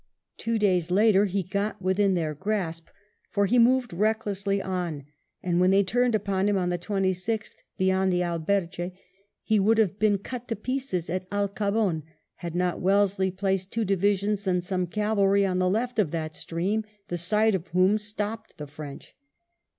Two days later he got within their grasp, for he moved recklessly on, and when they turned upon him on the 26th beyond the Alberche, he would have been cut to pieces at Alcabon, had not Wellesley placed two divisions and some cavalry on the left of that stream, the sight of whom stopped the French.